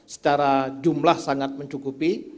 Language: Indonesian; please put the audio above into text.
secara jumlah sangat mencukupi